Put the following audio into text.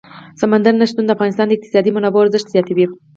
سمندر نه شتون د افغانستان د اقتصادي منابعو ارزښت زیاتوي.